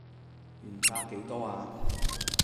原價幾多啊